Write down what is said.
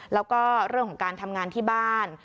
แล้วก็เรื่องของการทำงานที่บ้าน